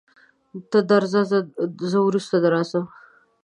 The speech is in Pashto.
ته درځه زه وروسته راځم.